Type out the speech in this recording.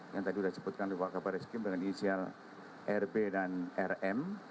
yang tadi sudah disebutkan di kabar reskrim dengan inisial rb dan rm